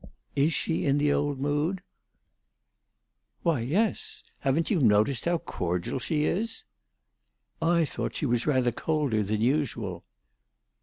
"Is she in the old mood?" "Why, yes. Haven't you noticed how cordial she is? "I thought she was rather colder than usual."